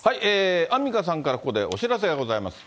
アンミカさんから、ここでお知らせがあります。